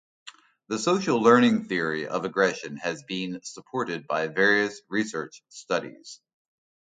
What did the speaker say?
The social learning theory of aggression has been supported by various research studies.